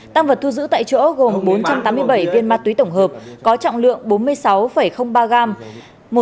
tăng vật thu giữ tại chỗ gồm bốn trăm tám mươi bảy viên ma túy tổng hợp có trọng lượng bốn mươi sáu ba gram